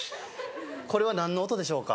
これは何の音でしょうか？